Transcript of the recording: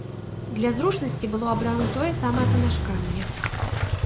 Для зручнасці было абрана тое самае памяшканне.